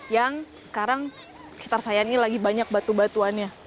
yang sekarang sekitar saya ini lagi banyak batu batuannya